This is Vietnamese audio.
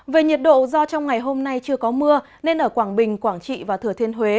về nhiệt độ do trong ngày hôm nay chưa có mưa nên ở quảng bình quảng trị và thừa thiên huế